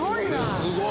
すごい！